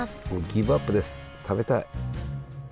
ギブアップです食べたい。